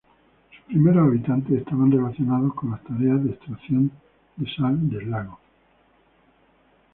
Sus primeros habitantes estaban relacionados con las tareas de extracción de sal del lago.